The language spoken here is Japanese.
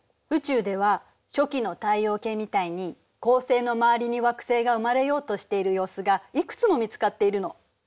宇宙では初期の太陽系みたいに恒星の周りに惑星が生まれようとしている様子がいくつも見つかっているの。